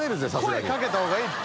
声かけたほうがいいって。